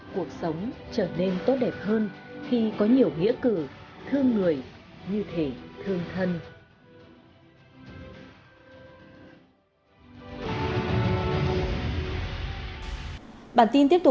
cuộc sống trở nên tốt đẹp hơn khi có nhiều nghĩa cử thương người như thể thương thân